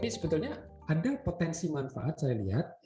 ini sebetulnya ada potensi manfaat saya lihat